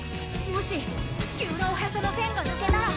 もし地球のおへその栓が抜けたら。